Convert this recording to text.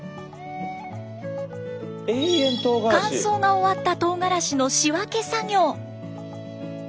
乾燥が終わったとうがらしの仕分け作業。